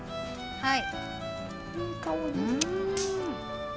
はい！